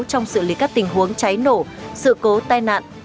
trong xử lý các tình huống cháy nổ sự cố tai nạn